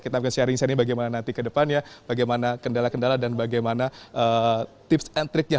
kita akan sharing sharing bagaimana nanti ke depannya bagaimana kendala kendala dan bagaimana tips and tricknya